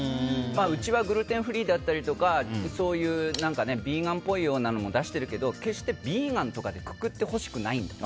うちはグルテンフリーだったりそういうビーガンっぽいのも出してるけど決してビーガンとかでくくってほしくないんだ。